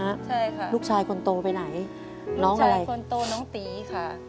ใช่ค่ะลูกชายคนโตไปไหนน้องชายคนโตน้องตีค่ะ